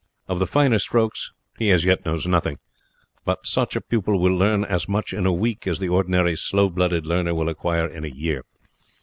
Of the finer strokes he as yet knows nothing; but such a pupil will learn as much in a week as the ordinary slow blooded learner will acquire in a year.